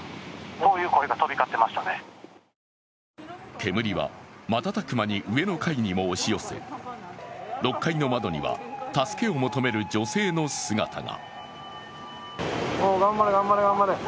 煙は瞬く間に上の階まで押し寄せ６階の窓には助けを求める女性の姿が。